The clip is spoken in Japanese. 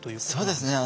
そうですね。